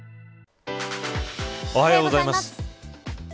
おはようございます。